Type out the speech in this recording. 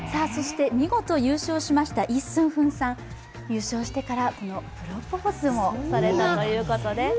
見事優勝しましたイ・スンフンさん優勝してからプロポーズもされたということです。